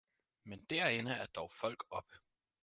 Men derinde er dog folk oppe